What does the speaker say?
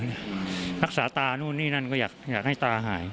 รักษาตานู่นนี่นั่นก็อยากให้ตาหาย